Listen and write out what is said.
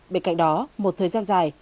bên cạnh đó một thời gian dài